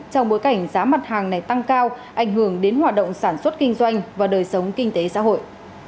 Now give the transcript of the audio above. trong bối cảnh giá mặt hàng này tăng cao ảnh hưởng đến hoạt động sản xuất kinh doanh và đời sống kinh tế xã hội